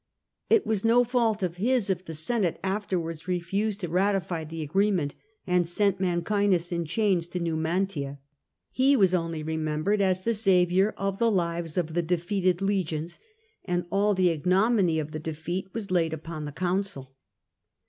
It was no fault of his if the Senate afterwards refused to ratify the agreement, and sent Mancinus in chains to Numantia. He was only remem bered as the saviour of the lives of the defeated legions, and all the ignominy of the defeat was laid upon the consul.